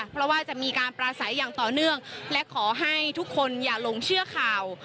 เพราะว่าจะมีการปราศัยอย่างต่อเนื่องและขอให้ทุกคนอย่าลงเชื่อข่าว